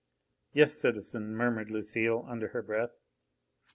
"Yes, citizen!" murmured Lucile, under her breath.